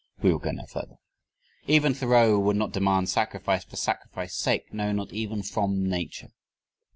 we will go no further. Even Thoreau would not demand sacrifice for sacrifice sake no, not even from Nature.